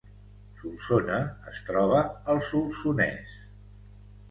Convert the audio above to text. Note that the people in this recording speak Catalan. Solsona es troba al Solsonès